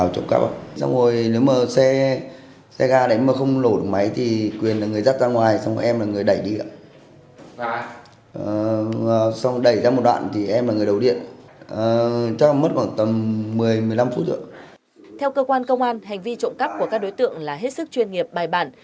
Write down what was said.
theo cơ quan công an hành vi trộm cắp của các đối tượng là hết sức chuyên nghiệp bài bản